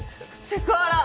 セクハラ！